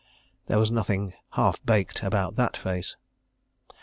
... There was nothing "half baked" about that face.